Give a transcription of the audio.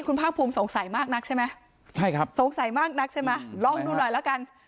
คุณภาคภูมิสงสัยมากนักใช่ไหมใช่ครับสงสัยมากนักใช่ไหมลองดูหน่อยแล้วกัน